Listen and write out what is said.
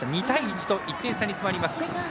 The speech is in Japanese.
２対１と１点差に迫ります。